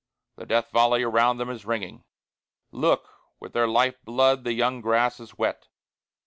the death volley around them is ringing! Look! with their life blood the young grass is wet!